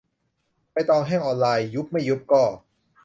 ใบตองแห้งออนไลน์ : ยุบไม่ยุบก็.